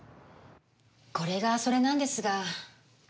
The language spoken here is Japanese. これがそれなんですが。